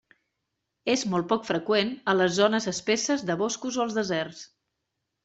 És molt poc freqüent a les zones espesses de boscos o als deserts.